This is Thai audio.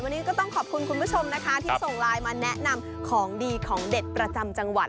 วันนี้ก็ต้องขอบคุณคุณผู้ชมนะคะที่ส่งไลน์มาแนะนำของดีของเด็ดประจำจังหวัด